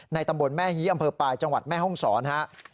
ตำบลแม่ฮีอำเภอปลายจังหวัดแม่ห้องศรครับ